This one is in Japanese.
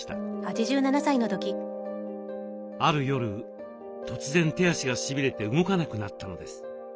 ある夜突然手足がしびれて動かなくなったのです。